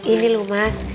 ini loh mas